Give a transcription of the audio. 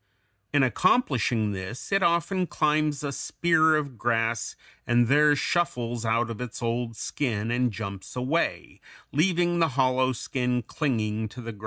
In accomplishing this, it often climbs a spear of grass and there shuffles out of its old skin and jumps away, leaving the hollow skin clinging to the grass.